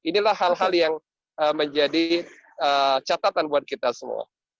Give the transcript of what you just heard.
jadi ini menjadi catatan buat kita semua